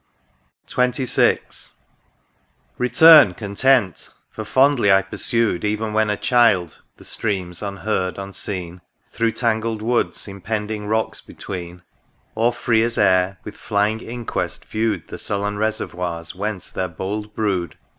m THE RIVER DUDDON. XXVI. Return, Content ! for fondly I pursued, Even when a child, the Streams — unheard, unseen ; Through tangled woods, impending rocks between ; Or, free as air, with flying inquest viewed The sullen reservoirs whence their bold brood.